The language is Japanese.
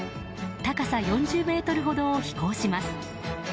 高さ４０ｍほどを飛行します。